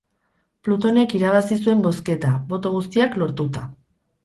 Plutonek irabazi zuen bozketa, boto guztiak lortuta.